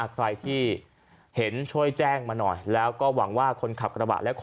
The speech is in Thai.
ใครที่เห็นช่วยแจ้งมาหน่อยแล้วก็หวังว่าคนขับกระบะและคน